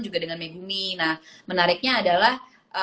juga dengan megumi nah menariknya adalah